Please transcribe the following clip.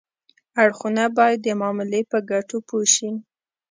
اړخونه باید د معاملې په ګټو پوه شي